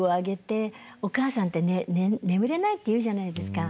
お母さんってね眠れないって言うじゃないですか。